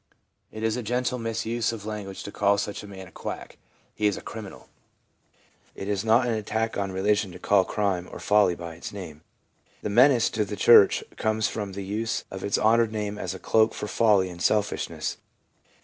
It is a gentle misuse of language to call such a man a quack. He is a criminal. ' It is not an attack on religion to call crime or folly by its name. The menace to the church comes from the use of its honoured name as a cloak for folly and selfishness.